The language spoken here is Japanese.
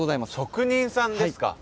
職人さんですか。